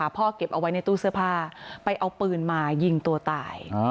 เก็บเอาไว้ในตู้เสื้อผ้าไปเอาปืนมายิงตัวตาย